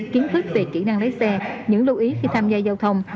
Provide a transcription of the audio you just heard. kiến thức về kỹ năng lấy xe những lưu ý khi tham gia giao thông